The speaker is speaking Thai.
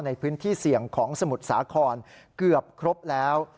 ในพื้นที่เสี่ยงของสมุทรสาครเกือบครบแล้ว